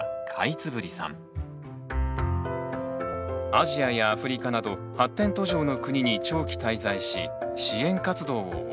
アジアやアフリカなど発展途上の国に長期滞在し支援活動を行ってきた。